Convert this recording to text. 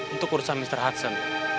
untuk urusan mister hudson